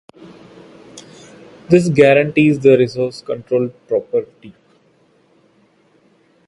This guarantees the resource control property.